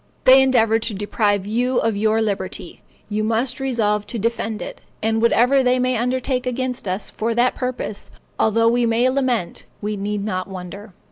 They endeavor to deprive you of your liberty; you must resolve to defend it; and whatever they may undertake against us for that purpose, although we may lament, we need not wonder.